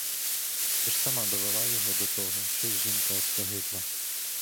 Ти ж сама довела його до того, що й жінка остогидла!